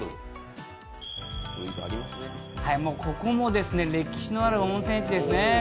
ここも歴史のある温泉地ですね。